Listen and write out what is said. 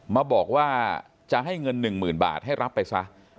มาบอกว่าจะให้เงิน๑๐๐๐บาทให้รับไปซะ